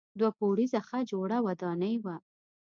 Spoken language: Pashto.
دوه پوړیزه ښه جوړه ودانۍ وه.